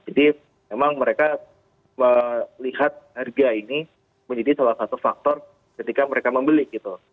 jadi memang mereka melihat harga ini menjadi salah satu faktor ketika mereka membeli gitu